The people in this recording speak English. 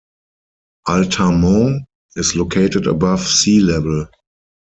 Altamont is located above sea level.